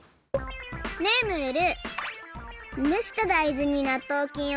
ねえムール！